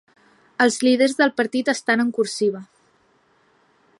Els líders del partit estan en cursiva.